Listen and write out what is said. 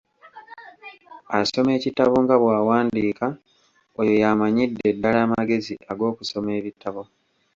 Asoma ekitabo nga bw'awandiika, oyo y'amanyidde ddala amagezi ag'okusoma ebitabo.